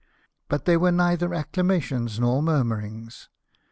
But there were neither acclamations nor murmurs.